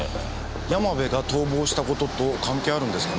山部が逃亡したことと関係あるんですかね。